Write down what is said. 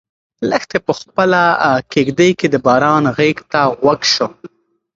لښتې په خپله کيږدۍ کې د باران غږ ته غوږ شو.